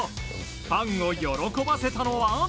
ファンを喜ばせたのは。